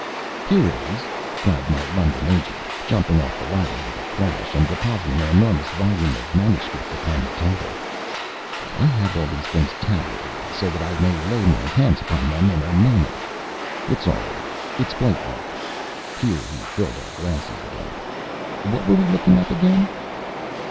"Here it is!" cried my London agent, jumping off the ladder with a crash, and depositing an enormous volume of manuscript upon the table. "I have all these things tabulated, so that I may lay my hands upon them in a moment. It's all right it's quite weak" (here he filled our glasses again). "What were we looking up, again?"